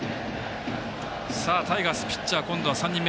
タイガースピッチャー、今度は３人目。